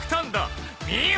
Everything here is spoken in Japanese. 見よ！